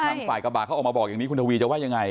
ทางฝ่ายกระบาดเขาออกมาบอกอย่างนี้คุณทวีจะว่ายังไง